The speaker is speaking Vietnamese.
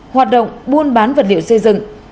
hoạt động buôn bán vật liệu xây dựng